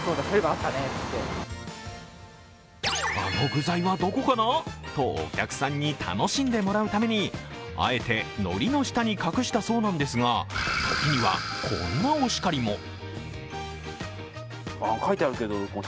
あの具材はどこかな？とお客さんに楽しんでもらうためにあえて海苔の下に隠したそうなんですが、時にはこんなお叱りも。